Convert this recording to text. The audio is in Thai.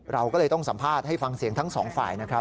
เราก็เลยต้องสัมภาษณ์ให้ฟังเสียงทั้งสองฝ่ายนะครับ